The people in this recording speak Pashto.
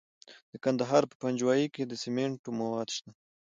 د کندهار په پنجوايي کې د سمنټو مواد شته.